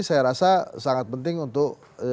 saya rasa sangat penting untuk